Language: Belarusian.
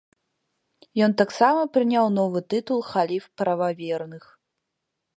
Ён таксама прыняў новы тытул халіф прававерных.